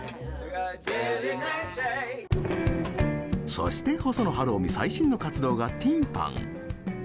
そして細野晴臣最新の活動がＴｉｎＰａｎ。